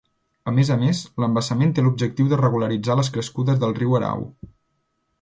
A més a més, l'embassament té l'objectiu de regularitzar les crescudes del riu Erau.